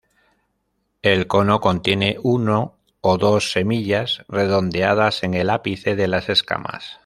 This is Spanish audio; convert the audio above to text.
El cono contiene uno o dos semillas redondeadas en el ápice de las escamas.